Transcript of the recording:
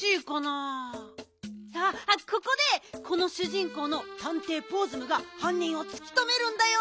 あっここでこのしゅじんこうのたんていポーズムがはんにんをつきとめるんだよ。